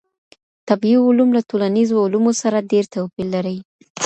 طبیعي علوم له ټولنیزو علومو سره ډېر توپیر لري.